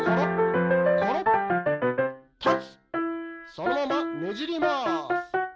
そのままねじります。